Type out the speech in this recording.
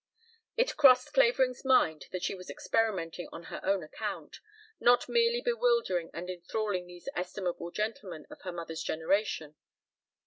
It crossed Clavering's mind that she was experimenting on her own account, not merely bewildering and enthralling these estimable gentlemen of her mother's generation.